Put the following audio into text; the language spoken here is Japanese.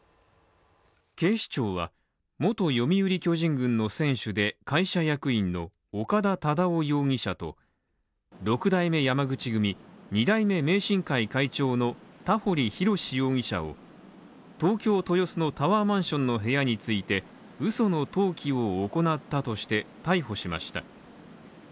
警視庁は元読売巨人軍の選手で会社役員の岡田忠雄容疑者と六代目山口組二代目名神会会長の田堀寛容疑者を東京・豊洲のタワーマンションの部屋について、うその登記を行ったとして逮捕しました。